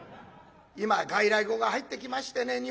今は外来語が入ってきましてね